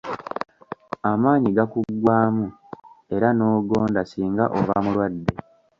Amaanyi gakuggwaamu era n'ogonda singa oba mulwadde.